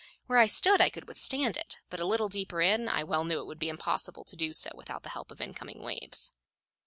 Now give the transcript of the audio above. Where I stood I could withstand it, but a little deeper in I well knew it would be impossible to do so without the help of incoming waves.